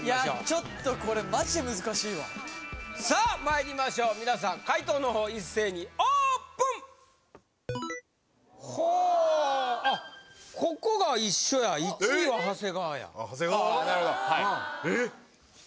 ちょっとこれマジで難しいわさあまいりましょうみなさん解答の方一斉にオープンほあっここが一緒や１位は長谷川やああなるほどえっ？